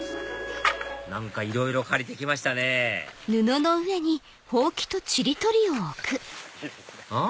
何かいろいろ借りてきましたねうん？